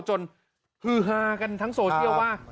ฮือฮากันทั้งโซเชียลว่า